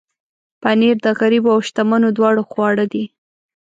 پنېر د غریبو او شتمنو دواړو خواړه دي.